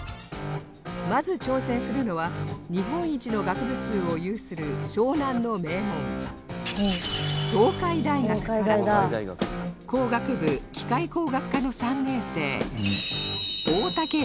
まず挑戦するのは日本一の学部数を有する湘南の名門東海大学から工学部機械工学科の３年生